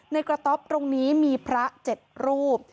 ในกระท็อบตรงนี้มีพระเพียส๗รูป